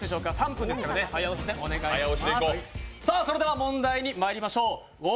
それでは問題にまいりましょう。